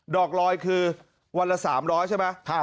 อกลอยคือวันละ๓๐๐ใช่ไหม